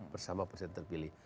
bersama presiden terpilih